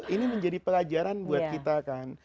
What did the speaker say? ini menjadi pelajaran buat kita kan